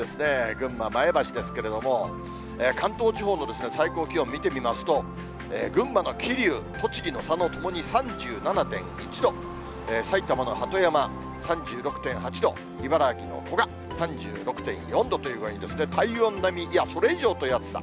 群馬・前橋ですけれども、関東地方の最高気温見てみますと、群馬の桐生、栃木の佐野ともに３７．１度、埼玉の鳩山３６．８度、茨城の古河３６．４度という具合に、体温並み、いや、それ以上という暑さ。